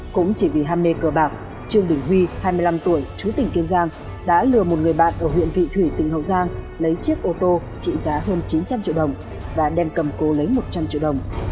cũng chỉ vì ham mê cờ bạc trương đình huy hai mươi năm tuổi chú tỉnh kiên giang đã lừa một người bạn ở huyện vị thủy tỉnh hậu giang lấy chiếc ô tô trị giá hơn chín trăm linh triệu đồng và đem cầm cố lấy một trăm linh triệu đồng